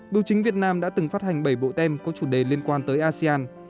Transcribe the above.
biểu chính việt nam đã từng phát hành bảy bộ tem có chủ đề liên quan tới asean